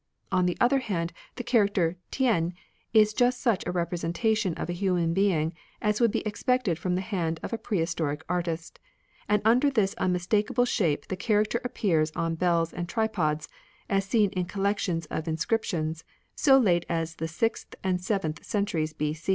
On the other hand, the character T^ien is just such a representation of a human being as would be expected from the hand of a prehistoric artist ; and under this unmis takable shape the character appears on bells and tripods, as seen in collections of inscriptions, so late as the sixth and seventh centuries b.